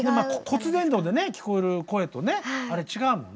骨伝導で聞こえる声とねあれ違うもんね。